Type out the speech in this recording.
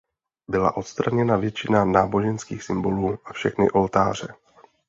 Byla odstraněna většina náboženských symbolů a všechny oltáře.